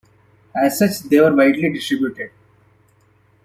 As such, they were widely distributed.